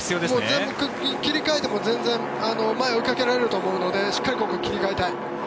切り替えても全然前を追いかけられると思うのでしっかりと切り替えたい。